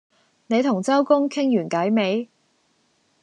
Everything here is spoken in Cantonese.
你同周公傾完偈未？